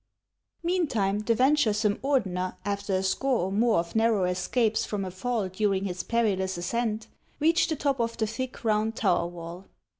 MEANTIME the venturesome Ordener, after a score or more of narrow escapes from a fall during his perilous ascent, reached the top of the thick, round tower wall.